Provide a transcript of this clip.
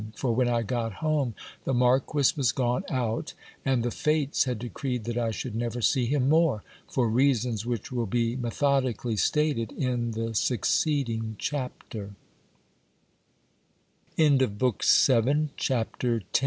For, when I got home the marquis was gone out ; and the fates had decreed that I should never see him more, for reasons which will be methodically stated in the succeeding thapte